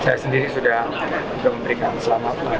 saya sendiri sudah memberikan selamat